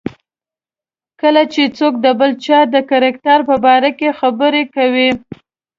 کله چې څوک د بل چا د کرکټر په باره کې خبرې کوي.